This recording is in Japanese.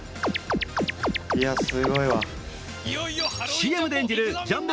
ＣＭで演じるジャンボ